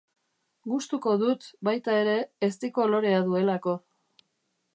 Gustuko dut, baita ere, ezti kolorea duelako.